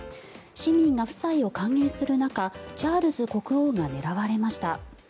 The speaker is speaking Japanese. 市民が夫妻を歓迎する中チャールズ国王が狙われました。